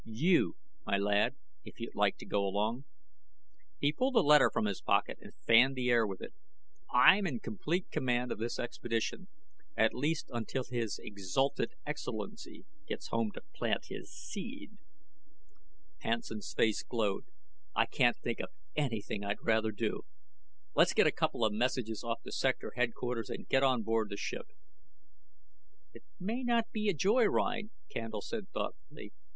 "You, my lad, if you'd like to go along." He pulled a letter from his pocket and fanned the air with it. "I'm in complete command of this expedition at least until His Exalted Excellency gets home to plant his seed." Hansen's face glowed. "I can't think of anything I'd rather do. Let's get a couple of messages off to Sector Headquarters and get on board ship." "It may not be any joy ride," Candle said thoughtfully.